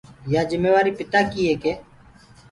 يآ جميوآريٚ پِتآ ڪيٚ هي